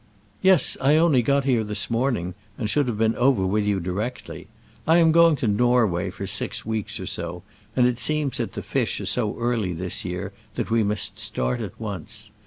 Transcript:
"Yes; I only got here this morning, and should have been over with you directly. I am going to Norway for six weeks or so, and it seems that the fish are so early this year, that we must start at once.